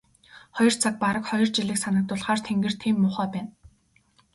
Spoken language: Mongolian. Хоёр цаг бараг хоёр жилийг санагдуулахаар тэнгэр тийм муухай байна.